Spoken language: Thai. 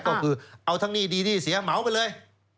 ก็คือเอาทั้งหนี้ดีหนี้เสียเหมาไปเลย